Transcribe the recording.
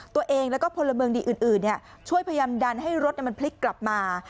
ตัวเองแล้วก็พลเมืองดีอื่นช่วยพยายามดันให้รถมันพลิกกลับมา